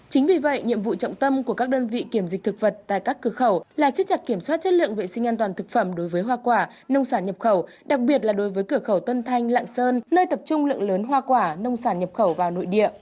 chính vì vậy nhiệm vụ trọng tâm của các đơn vị kiểm dịch thực vật tại các cửa khẩu là chiếc chặt kiểm soát chất lượng vệ sinh an toàn thực phẩm đối với hoa quả nông sản nhập khẩu đặc biệt là đối với cửa khẩu tân thanh lạng sơn nơi tập trung lượng lớn hoa quả nông sản nhập khẩu vào nội địa